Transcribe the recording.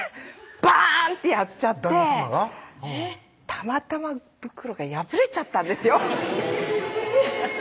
バーンってやっちゃってたまたま袋が破れちゃったんですよ